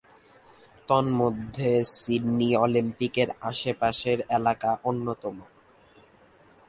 তন্মধ্যে, সিডনি অলিম্পিকের আশেপাশের এলাকা অন্যতম।